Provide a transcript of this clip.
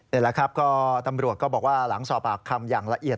นี่แหละครับก็ตำรวจก็บอกว่าหลังสอบปากคำอย่างละเอียด